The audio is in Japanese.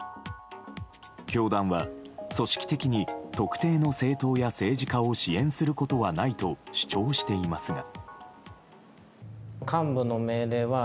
教団は、組織的に特定の政党や政治家を支援することはないと主張していますが。